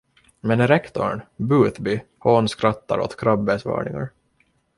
Men rektorn, Boothby, hånskrattar åt Crabbes varningar.